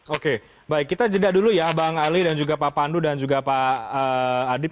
oke baik kita jeda dulu ya bang ali dan juga pak pandu dan juga pak adib